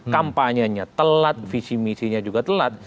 kampanyenya telat visi misinya juga telat